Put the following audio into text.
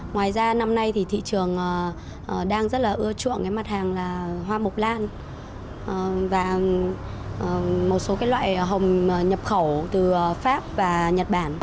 ngoài ra năm nay thì thị trường đang rất là ưa chuộng cái mặt hàng là hoa mộc lan và một số cái loại hồng nhập khẩu từ pháp và nhật bản